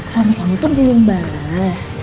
suami kamu tuh belum bales